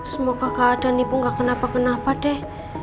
semoga keadaan ibu gak kenapa kenapa deh